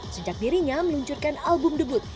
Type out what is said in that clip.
sejak dirinya meluncurkan album debut